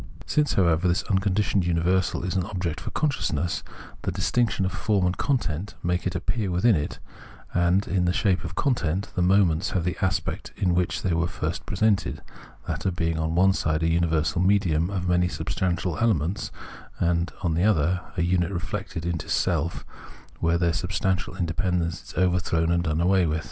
Since, however, this unconditioned universal is an object for consciousness, the distinction of form and content makes its appearance within it ; and, in the shape of content, the moments have the aspect in which they were first presented — that of being on one side a universal medium of many substantial elements, and, on the other, a unit reflected into self, where their substantial independence is overthrown and done away with.